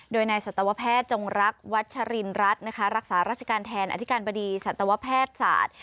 โดยนายสัตวแพทย์จงรักวัชรินรัฐนะคะรักษาราชการแทนอธิการบดีสัตวแพทย์ศาสตร์